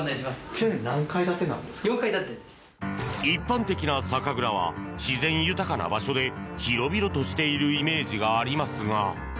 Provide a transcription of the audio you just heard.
一般的な酒蔵は自然豊かな場所で広々としているイメージがありますが。